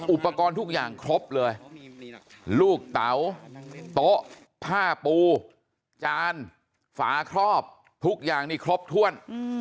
อุปกรณ์ทุกอย่างครบเลยลูกเต๋าโต๊ะผ้าปูจานฝาครอบทุกอย่างนี่ครบถ้วน